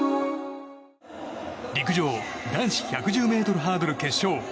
陸上男子１１０ｍハードル決勝。